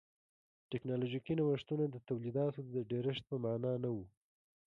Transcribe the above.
ټکنالوژیکي نوښتونه د تولیداتو د ډېرښت په معنا نه و.